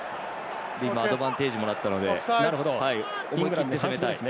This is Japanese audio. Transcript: アドバンテージをもらったので思い切って攻めたい。